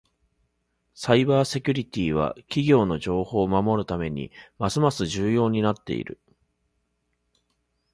サイバーセキュリティは企業の情報を守るためにますます重要になっている。